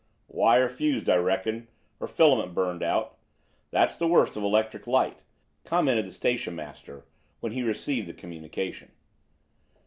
"Wire fused, I reckon, or filament burnt out. That's the worst of electric light," commented the station master when he received the communication.